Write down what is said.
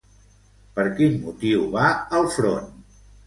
Per quin motiu va al front?